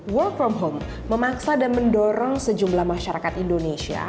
work from home memaksa dan mendorong sejumlah masyarakat indonesia